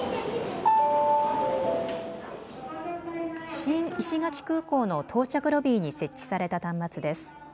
新石垣空港の到着ロビーに設置された端末です。